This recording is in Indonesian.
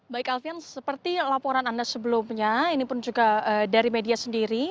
baik alfian seperti laporan anda sebelumnya ini pun juga dari media sendiri